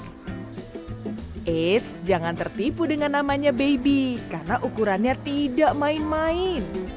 eits jangan tertipu dengan namanya baby karena ukurannya tidak main main